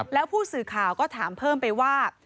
แล้วผู้สื่อข่าวก็ถามเพิ่มไปว่า